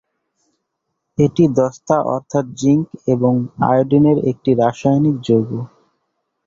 এটি দস্তা অর্থাৎ জিংক এবং আয়োডিনের একটি রাসায়নিক যৌগ।